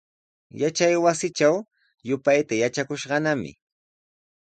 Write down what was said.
Yachaywasitraw yupayta yatrakushqanami.